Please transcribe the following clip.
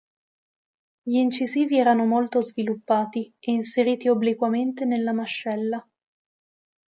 Gli incisivi erano molto sviluppati e inseriti obliquamente nella mascella.